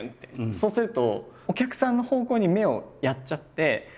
そうするとお客さんの方向に目をやっちゃってはっ！